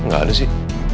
gak ada sih